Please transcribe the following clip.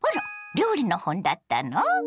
料理の本だったの？